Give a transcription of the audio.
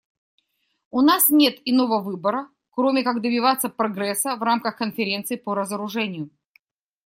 У нас нет иного выбора, кроме как добиваться прогресса в рамках Конференции по разоружению.